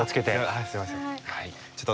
ああすいません。